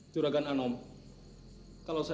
pergi ke sana